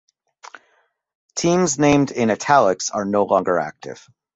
Teams named in "italics" are no longer active.